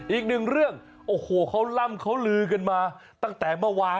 อีกหนึ่งเรื่องโอ้โหเขาล่ำเขาลือกันมาตั้งแต่เมื่อวาน